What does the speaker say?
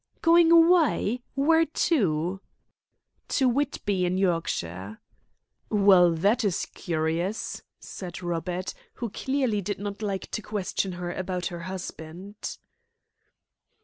"Going away! Where to?" "To Whitby, in Yorkshire." "Well, that is curious," said Robert, who clearly did not like to question her about her husband.